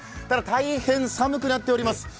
ただ、大変寒くなっております